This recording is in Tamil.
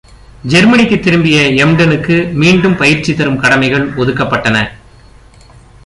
ஜெர்மனிக்கு திரும்பிய பின் "Emden"-னுக்கு மீண்டும் பயிற்சி தரும் கடமைகள் ஒதுக்கப்பட்டன.